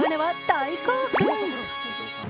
大興奮。